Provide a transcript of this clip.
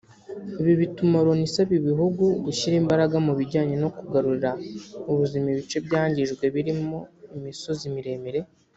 Ibi bituma Loni isaba ibihugu gushyira imbaraga mu bijyanye no kugarurira ubuzima ibice byangijwe birimo imisozi miremire